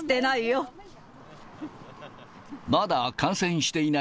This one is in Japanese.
まだ感染してない？